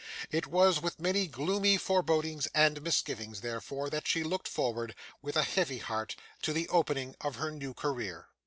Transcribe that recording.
It was with many gloomy forebodings and misgivings, therefore, that she looked forward, with a heavy heart, to the opening of her new career.